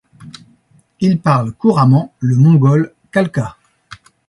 Il parle couramment le mongol khalkha.